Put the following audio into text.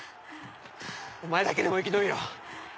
お前だけでも生き延びろ。